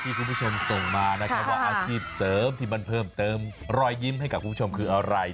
คุณผู้ชมส่งมานะครับว่าอาชีพเสริมที่มันเพิ่มเติมรอยยิ้มให้กับคุณผู้ชมคืออะไร